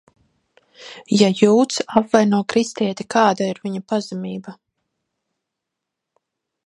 Ja jūds apvaino kristieti, kāda ir viņa pazemība?